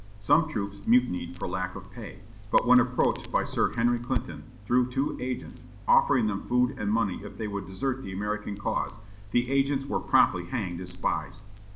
Some troops mutinied for lack of pay, but when approached by Sir Henry Clinton, through two agents, offering them food and money if they would desert the American cause, the agents were promptly hanged as spies.